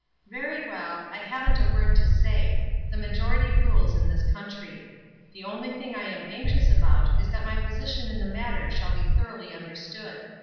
''Very well, I haven't a word to say; the majority rules in this country. The only thing I am anxious about is that my position in the matter shall be thoroughly understood.